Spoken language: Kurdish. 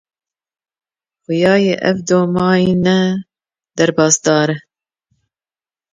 Xuya ye ev domaîn nederbasdar e.